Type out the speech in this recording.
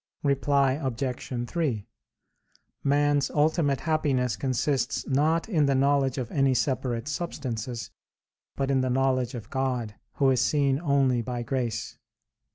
Reply Obj. 3: Man's ultimate happiness consists not in the knowledge of any separate substances; but in the knowledge of God, Who is seen only by grace.